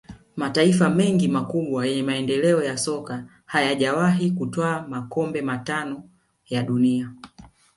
Mataifa mengi makubwa yenye maendeleo ya soka hayajawahi kutwaa makombe matano ya dunia